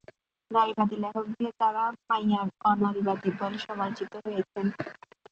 নারীবাদী লেখকদের দ্বারা মাইয়ার অ-নারীবাদী বলে সমালোচিত হয়েছেন।